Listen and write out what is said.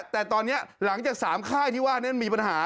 แต่ตอนนี้หลังจาก๓ค่ายที่ว่านั้นมีปัญหา